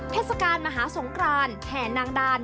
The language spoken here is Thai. เทศกาลมหาสงครานแห่นางดาน